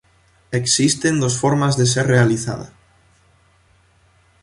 Existen dos formas de ser realizada.